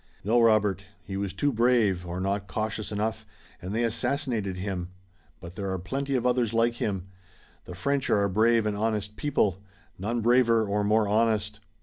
"No, Robert. He was too brave, or not cautious enough, and they assassinated him, but there are plenty of others like him. The French are a brave and honest people, none braver or more honest.